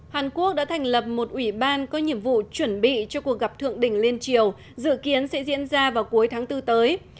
hàn quốc đã thành lập một ủy ban có nhiệm vụ chuẩn bị cho cuộc gặp thượng đỉnh liên triều dự kiến sẽ diễn ra vào cuối tháng bốn tới